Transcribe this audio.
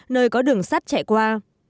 nơi có đường sắt chạy qua